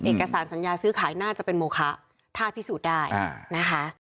เอกสารสัญญาซื้อขายน่าจะเป็นโมคะถ้าพิสูจน์ได้นะคะ